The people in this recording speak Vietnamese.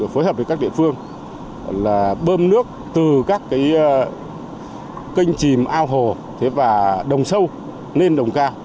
phối hợp với các địa phương là bơm nước từ các kênh chìm ao hồ và đồng sâu lên đồng ca